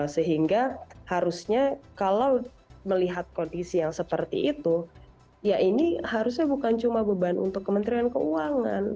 sehingga harusnya kalau melihat kondisi yang seperti itu ya ini harusnya bukan cuma beban untuk kementerian keuangan